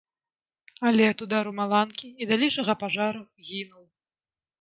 Але ад удару маланкі і далейшага пажару гінуў.